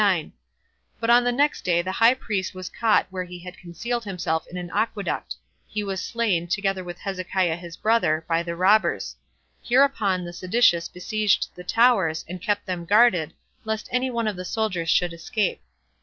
But on the next day the high priest was caught where he had concealed himself in an aqueduct; he was slain, together with Hezekiah his brother, by the robbers: hereupon the seditious besieged the towers, and kept them guarded, lest any one of the soldiers should escape.